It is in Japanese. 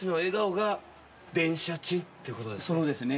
そうですね。